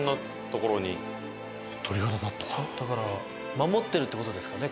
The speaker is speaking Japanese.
守ってるって事ですかね？